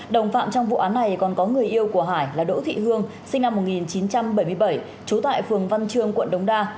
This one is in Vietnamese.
đồng phạm trong vụ án này còn có người yêu của hải là đỗ thị hương sinh năm một nghìn chín trăm bảy mươi bảy trú tại phường văn trương quận đống đa